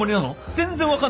全然分かんない！